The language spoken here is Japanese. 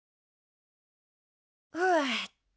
ふうっと。